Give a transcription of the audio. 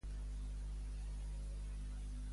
Del centre comercial de Reus em dones l'adreça?